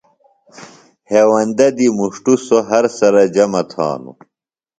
ہیوندہ دی مُݜٹوۡ سوۡ، ہر سرہ جمہ تھانوۡ